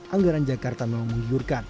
anggaran jakarta memang menghidurkan